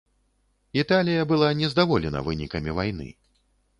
Італія была не здаволена вынікамі вайны.